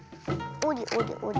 おりおりおり。